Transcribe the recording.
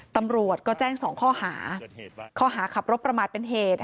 ตำรวจก็แจ้ง๒ข้อหาข้อหาขับรถประมาทเป็นเหตุ